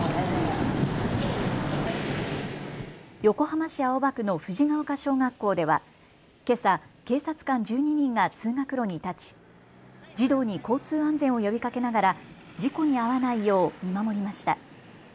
横浜市青葉区の藤が丘小学校ではけさ警察官１２人が通学路に立ち児童に交通安全を呼びかけながら事故に遭わないよう見守りました。